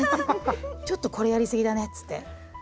ちょっとこれやりすぎだねっつって。